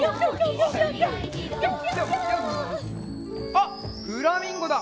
あっフラミンゴだ！